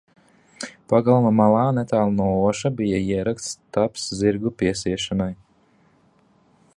Pagalma malā netālu no oša bija ierakts stabs zirgu piesiešanai.